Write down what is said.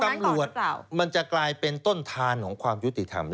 มันจะกลายเป็นต้นทานของความยุติธรรม